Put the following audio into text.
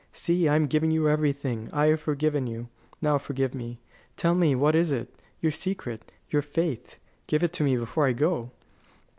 See, I am giving you everything. I have forgiven you. Now forgive me. Tell me, what is it? Your secret, your faith give it to me before I go."